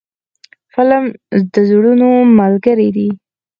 فلم د زړونو ملګری دی